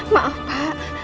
pak maaf pak